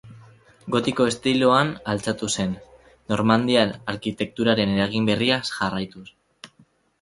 Gotiko estiloan altxatu zen, Normandiar arkitekturaren eragin berria jarraituz.